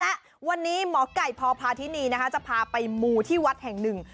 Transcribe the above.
และวันนี้หมอไก่พพาธินีนะคะจะพาไปมูที่วัดแห่งหนึ่ง